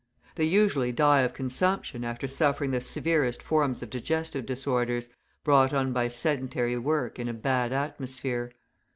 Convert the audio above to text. They usually die of consumption after suffering the severest forms of digestive disorders, brought on by sedentary work in a bad atmosphere.